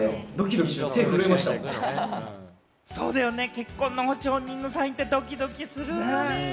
結婚の保証人のサインってドキドキするよね。